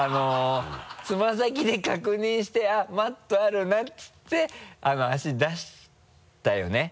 つま先で確認して「あっマットあるな」っていって足出したよね？